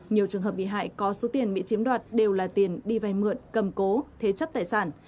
nhiều trường hợp bị hại có số tiền bị chiếm đoạt đều là tiền đi vay mượn cầm cố thế chấp tài sản